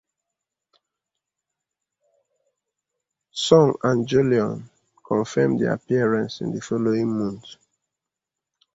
Song and Jeon confirmed their appearance in the following month.